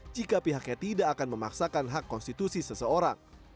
jika pihaknya tidak akan memaksakan hak konstitusi seseorang